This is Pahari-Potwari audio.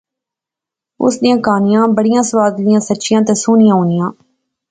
اس نیاں کہانیاں بڑیاں سوادلیاں، سچیاں تہ سوہنیاں ہونیاں